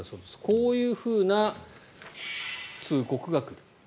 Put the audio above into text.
こういうふうな通告が来る。